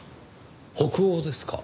北欧ですか。